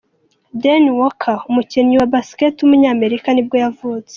DeMya Walker, umukinnyi wa basketball w’umunyamerika nibwo yavutse.